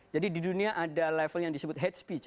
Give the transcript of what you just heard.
jadi di dunia ada level yang disebut hate speech